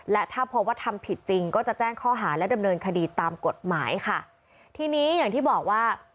และถ้าพบว่าทำผิดจริงก็จะแจ้งข้อหาและดำเนินคดีตามกฎหมายค่ะทีนี้อย่างที่บอกว่า